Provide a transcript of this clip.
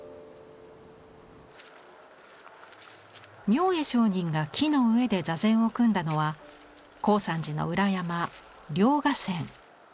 明恵上人が木の上で坐禅を組んだのは高山寺の裏山楞伽山。